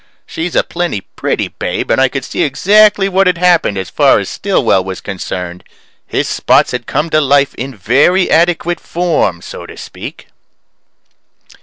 She's a plenty pretty babe and I could see exactly what had happened as far as Stillwell was concerned. His spots had come to life in very adequate form so to speak.